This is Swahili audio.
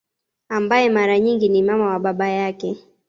Ambaye mara nyingi ni mama wa baba yake